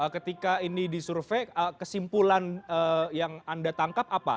ketika ini disurvey kesimpulan yang anda tangkap apa